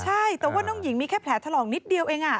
ใช่แต่ว่าน้องหญิงมีแค่แผลถลอกนิดเดียวเอง